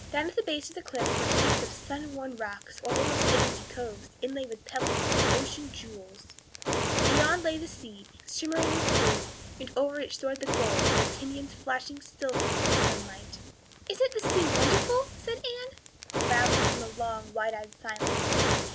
Down at the base of the cliffs were heaps of surf worn rocks or little sandy coves inlaid with pebbles as with ocean jewels; beyond lay the sea, shimmering and blue, and over it soared the gulls, their pinions flashing silvery in the sunlight. "Isn't the sea wonderful?" said Anne, rousing from a long, wide eyed silence.